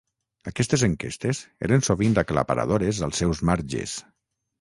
Aquestes enquestes eren sovint aclaparadores als seus marges.